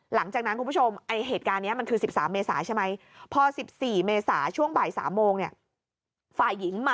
หลังจากนั้นคุณผู้ชมเหตุการณ์นี้คือ๑๓เมษาใช่ไหม